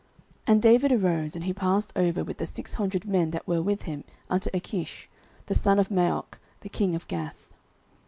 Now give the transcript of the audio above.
09:027:002 And David arose, and he passed over with the six hundred men that were with him unto Achish, the son of Maoch, king of Gath.